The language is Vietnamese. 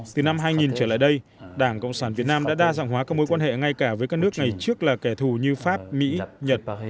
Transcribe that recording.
từ năm hai nghìn trở lại đây đảng cộng sản việt nam đã đa dạng hóa các mối quan hệ ngay cả với các nước ngày trước là kẻ thù như pháp mỹ nhật